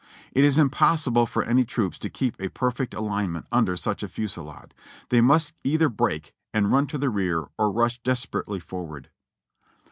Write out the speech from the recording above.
It is impossible for any troops to keep a perfect alignment under such a fusilade ; they nuist either break and run to the rear or rush desperately forward.